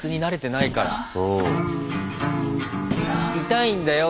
痛いんだよ